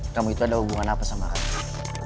kamu itu ada hubungan apa sama kamu